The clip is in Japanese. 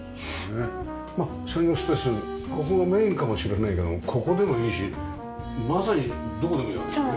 まあ作業スペースここがメインかもしれないけどもここでもいいしまさにどこでもいいわけですね。